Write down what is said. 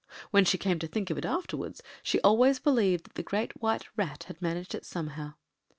When she came to think of it afterwards she always believed that the Great White Rat had managed it somehow.